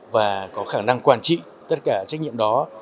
và có khả năng quản trị tất cả trách nhiệm đó